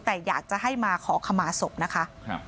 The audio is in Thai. แต่อยากจะให้มาขอขมาศพนะคะ